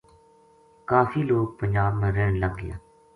کافی لوک پنجاب ما رہن لگ گیا